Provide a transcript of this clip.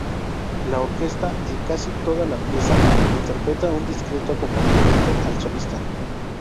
La orquesta, en casi toda la pieza, interpreta un discreto acompañamiento al solista.